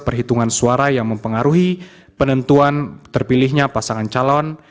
perhitungan suara yang mempengaruhi penentuan terpilihnya pasangan calon